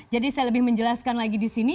jadi saya lebih menjelaskan lagi di sini